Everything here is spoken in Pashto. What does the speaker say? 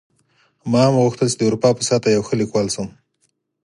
ما هم غوښتل چې د اروپا په سطحه یو ښه لیکوال شم